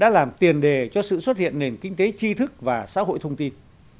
làm tiền đề cho sự xuất hiện nền kinh tế tri thức và xã hội thông tin